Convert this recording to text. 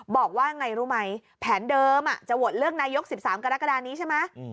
บอกว่าไงรู้ไหมแผนเดิมจะโหวตเลือกนายก๑๓กรกฎานี้ใช่ไหม